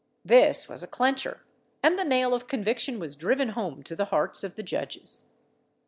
This was a clencher, and the nail of conviction was driven home to the hearts of the judges.